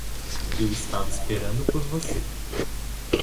Eu estava esperando por você.